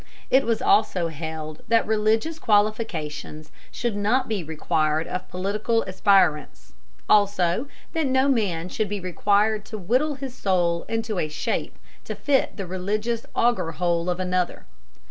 It was also held that religious qualifications should not be required of political aspirants, also that no man should be required to whittle his soul into a shape to fit the religious auger hole of another.